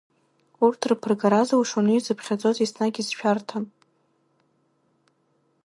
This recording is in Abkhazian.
Урҭ рԥыргара зылшоны изыԥхьаӡоз еснагь изшәарҭан.